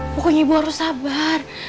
pokoknya ibu harus sabar